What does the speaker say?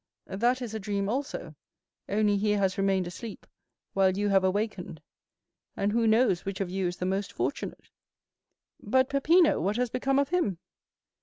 "That is a dream also; only he has remained asleep, while you have awakened; and who knows which of you is the most fortunate?" "But Peppino—what has become of him?"